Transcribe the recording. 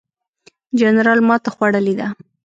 جنرال ماته خوړلې ده.